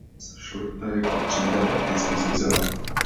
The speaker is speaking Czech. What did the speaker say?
Dnes šlechta jako třída prakticky zmizela.